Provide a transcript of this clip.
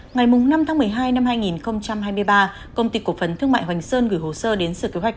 ngày năm tháng một mươi hai năm hai nghìn hai mươi ba công ty cổ phần thương mại hoành sơn gửi hồ sơ đến sở kế hoạch